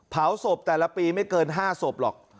เผาศพแต่ละปีไม่เกิน๕ศพหรอก